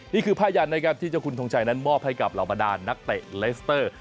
นี่คือผ้ายันนะครับที่เจ้าคุณทงชัยนั้นมอบให้กับเหล่าบรรดานนักเตะเลสเตอร์